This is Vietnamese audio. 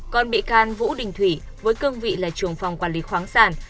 còn bị can vũ đình thủy với cương vị là trưởng phòng quản lý khoáng sản